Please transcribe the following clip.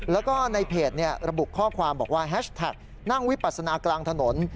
แล้วก็ในเพจระบุข้อความบอกว่าแฮชแท็กนั่งวิปัสนากลางถนน